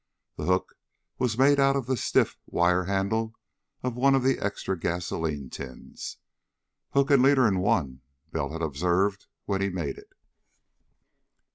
The hook was made out of the stiff wire handle of one of the extra gasoline tins. "Hook and leader in one," Bell had observed when he made it.